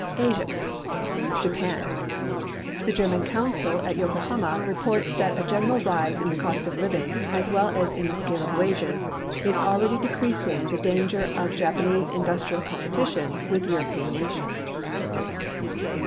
ASIA Jap.\n. The German consul at Yokohama rei)orts that a general rise in the cost of living as well as in the ,«cale of wages is already decreasing the danger of Japanese industrial competition with European nations.